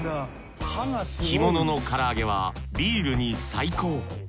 干物の唐揚げはビールに最高。